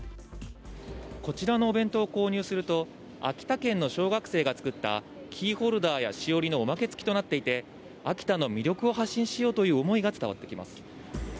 こちらのお弁当を購入すると、秋田県の小学生が作ったキーホルダーやしおりのおまけ付きとなっていて、秋田の魅力を発信しようという思いが伝わってきます。